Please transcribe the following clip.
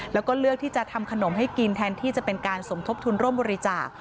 แล้วก็เลือกที่จะทำขนมให้กินแทนที่จะเป็นการสมทบทุนร่วมบริจาค